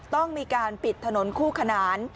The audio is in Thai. ต้องมีการปิดถนนคู่ขนาน